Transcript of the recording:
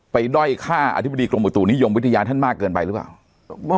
ด้อยฆ่าอธิบดีกรมอุตุนิยมวิทยาท่านมากเกินไปหรือเปล่า